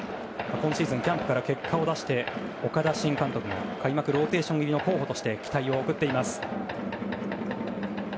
今シーズンキャンプから結果を出して岡田新監督開幕ローテーション入りの候補として期待を送っています。